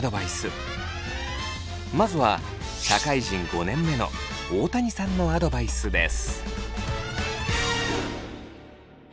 まずは社会人５年目の大谷さんのアドバイスです。